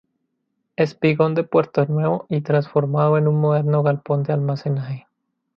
Espigón de Puerto Nuevo y transformado en un moderno galpón de almacenaje.